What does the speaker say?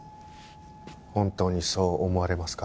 本当にそう思われますか？